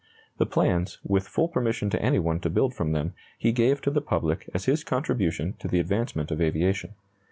The plans, with full permission to any one to build from them, he gave to the public as his contribution to the advancement of aviation.